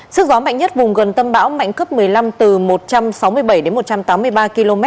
sức gió mạnh nhất vùng gần tâm bão mạnh cấp một mươi năm từ một trăm sáu mươi bảy đến một trăm tám mươi ba km